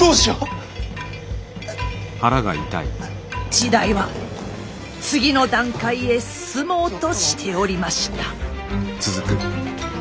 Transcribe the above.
時代は次の段階へ進もうとしておりました。